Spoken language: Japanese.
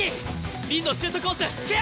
凛のシュートコースケア！